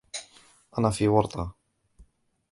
أنا في ورطة.